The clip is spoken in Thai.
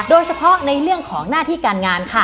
โดยเฉพาะในเรื่องของหน้าที่การงานค่ะ